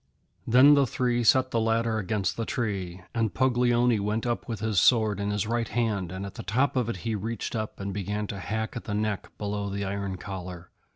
Then the three set the ladder against the tree, and Puglioni went up with his sword in his right hand, and at the top of it he reached up and began to hack at the neck below the iron collar.